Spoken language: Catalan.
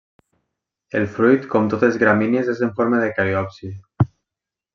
El fruit com totes les gramínies és en forma de cariopsi.